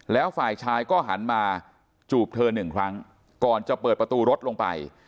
แล้วฝ่ายชายก็หันมาจูบเธอหนึ่งครั้งก่อนจะเปิดประตูรถลงไป